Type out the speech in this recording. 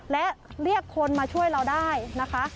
และเรียกคนมาช่วยเราได้นะคะ